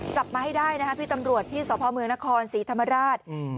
กลับมาให้ได้นะคะพี่ตำรวจที่สพเมืองนครศรีธรรมราช